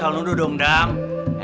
maksudnya pak rt yang ngambil